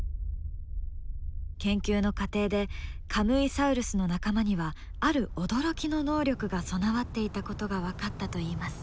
研究の過程でカムイサウルスの仲間にはある驚きの能力が備わっていたことが分かったといいます。